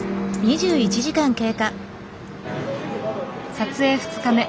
撮影２日目。